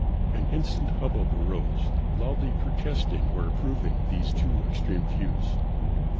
An instant hubbub arose, loudly protesting or approving these two extreme views.